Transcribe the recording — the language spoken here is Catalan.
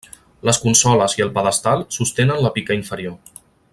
Les consoles i el pedestal sostenen la pica inferior.